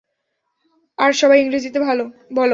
আর সবাই, ইংরেজীতে বলো।